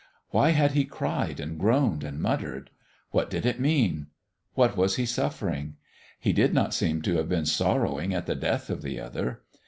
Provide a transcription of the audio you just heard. Why had He cried and groaned and muttered? What did it mean? What was He suffering? He did not seem to have been sorrowing at the death of the other.